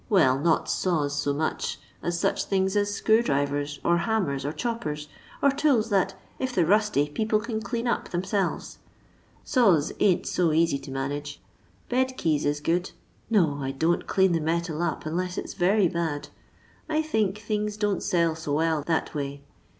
Well, not saws so much as such things as screwdrivers, or hammers, or choppers, or tools that if they 're rusty people can clean up theirselves. Saws ain't so easy to manage ; bed keys is good. No, I don't clean the metal up unless it 's very bad ; I think things don't sell so well that way.